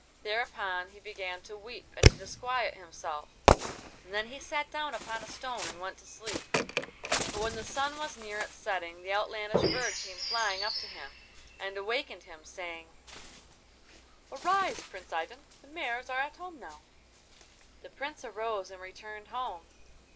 Thereupon he began to weep and to disquiet himself, and then he sat down upon a stone and went to sleep. But when the sun was near its setting the outlandish bird came flying up to him, and awakened him, saying: 'Arise, Prince Ivan! The mares are at home now.' The Prince arose and returned home.